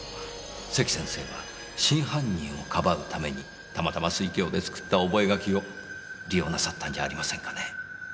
関先生は真犯人をかばうためにたまたま酔狂で作った覚書を利用なさったんじゃありませんかねぇ。